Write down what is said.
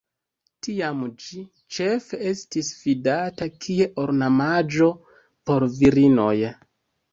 Tiam ĝi ĉefe estis vidata kie ornamaĵo por virinoj.